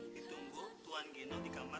ditunggu tuan gino di kamar empat ratus sembilan belas